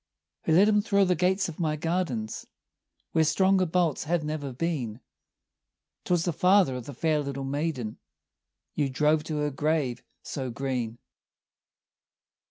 "Who let him thro' the gates of my gardens, Where stronger bolts have never been?" "'Twas the father of the fair little maiden You drove to her grave so green."